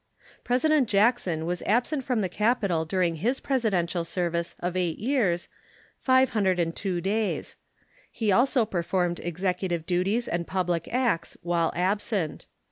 President Jackson was absent from the capital during his Presidential service of eight years five hundred and two days. He also performed executive duties and public acts while absent.